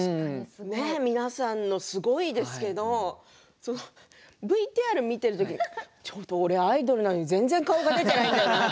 皆さんのすごいですけどＶＴＲ見てる時ちょっと俺アイドルなのに全然顔が出ていないって。